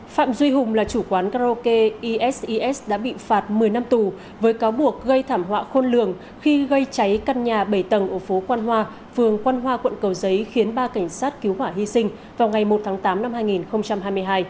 phạm duy hùng là chủ quán karaoke eses đã bị phạt một mươi năm tù với cáo buộc gây thảm họa khôn lường khi gây cháy căn nhà bảy tầng ở phố quan hoa phường quan hoa quận cầu giấy khiến ba cảnh sát cứu hỏa hy sinh vào ngày một tháng tám năm hai nghìn hai mươi hai